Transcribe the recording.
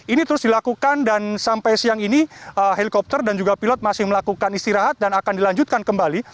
ini terus dilakukan dan sampai siang ini helikopter dan juga pilot masih melakukan istirahat dan akan dilanjutkan kembali